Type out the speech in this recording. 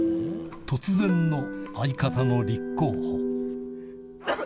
突然の相方の立候補。